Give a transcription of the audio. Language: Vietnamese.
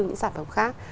những sản phẩm khác